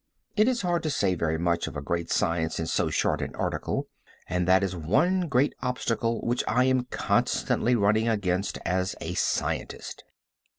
It is hard to say very much of a great science in so short an article, and that is one great obstacle which I am constantly running against as a scientist.